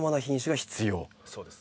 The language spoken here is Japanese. そうです。